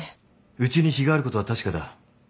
うちに非があることは確かだ。